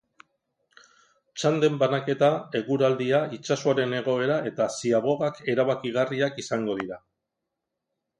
Txanden banaketa, eguraldia, itsasoaren egoera eta ziagobak erabakigarriak izango dira.